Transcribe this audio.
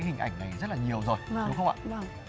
hình ảnh này rất là nhiều rồi đúng không ạ